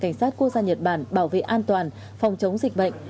cảnh sát quốc gia nhật bản bảo vệ an toàn phòng chống dịch bệnh